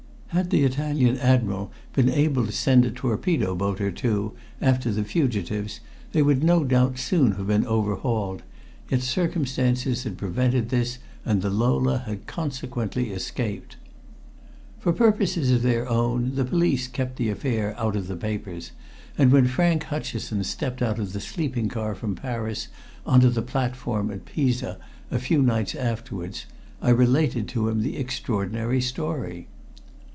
Had the Italian Admiral been able to send a torpedo boat or two after the fugitives they would no doubt soon have been overhauled, yet circumstances had prevented this and the Lola had consequently escaped. For purposes of their own the police kept the affair out of the papers, and when Frank Hutcheson stepped out of the sleeping car from Paris on to the platform at Pisa a few nights afterwards, I related to him the extraordinary story.